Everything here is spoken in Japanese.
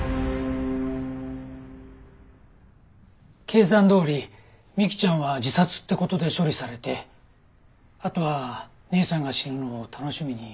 計算どおり美希ちゃんは自殺って事で処理されてあとは姉さんが死ぬのを楽しみに待つだけだった。